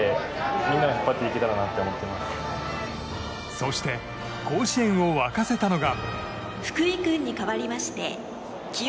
そして甲子園を沸かせたのが。